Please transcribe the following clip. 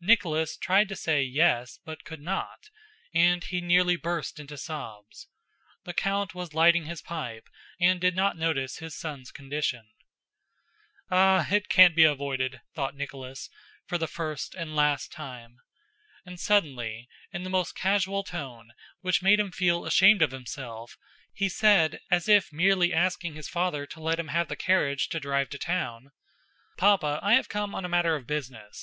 Nicholas tried to say "Yes," but could not: and he nearly burst into sobs. The count was lighting his pipe and did not notice his son's condition. "Ah, it can't be avoided!" thought Nicholas, for the first and last time. And suddenly, in the most casual tone, which made him feel ashamed of himself, he said, as if merely asking his father to let him have the carriage to drive to town: "Papa, I have come on a matter of business.